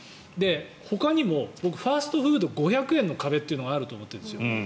ほかにも僕ファストフード５００円の壁があると思ってるんですよ。